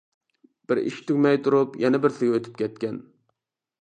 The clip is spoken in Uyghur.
بىر ئىش تۈگىمەي تۇرۇپ يەنە بىرسىگە ئۆتۈپ كەتكەن.